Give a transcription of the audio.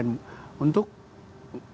untuk mendengarkan apa sebetulnya